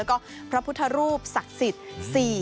แล้วก็พระพุทธรูปศักดิ์สิทธิ์